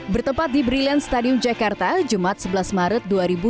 bertempat di brilliant stadium jakarta jumat sebelas maret dua ribu dua puluh